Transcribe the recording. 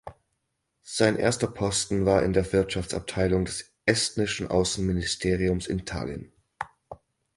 Sein erster Posten war in der Wirtschaftsabteilung des estnischen Außenministeriums in Tallinn.